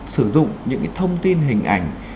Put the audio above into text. sử dụng những thông tin hình ảnh